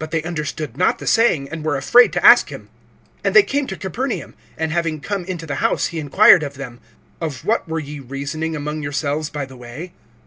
(32)But they understood not the saying, and were afraid to ask him. (33)And they came to Capernaum. And having come into the house he inquired of them: Of what were ye reasoning among yourselves by the way?